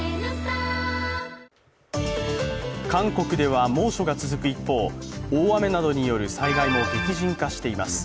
韓国では猛暑が続く一方、大雨などによる災害も激甚化しています。